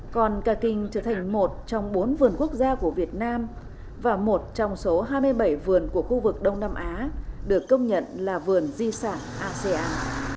con ca kinh trở thành một trong bốn vườn quốc gia của việt nam và một trong số hai mươi bảy vườn của khu vực đông nam á được công nhận là vườn di sản asean